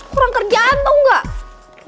kurang kerjaan tau gak